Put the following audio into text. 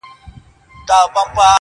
چي شرمېږي له سرونو بګړۍ ورو ورو-